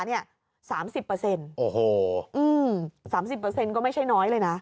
โอ้โหอืม๓๐ก็ไม่ใช่น้อยเลยนะ